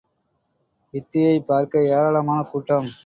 வித்தையைப் பார்க்க ஏராளமான கூட்டம்.